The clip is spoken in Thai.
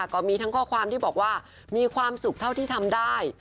ก็มีทั้งข้อความที่บอกว่ามีความสุขเท่าที่ทำได้